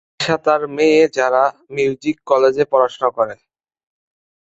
নিশা তার মেয়ে যারা মিউজিক কলেজে পড়াশোনা করে।